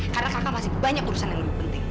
karena kakak masih banyak urusan yang lebih penting